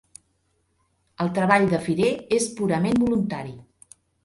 El treball de Firer és purament voluntari.